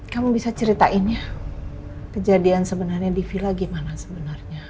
kamu bisa ceritain ya kejadian sebenarnya di villa gimana sebenarnya